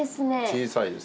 小さいです。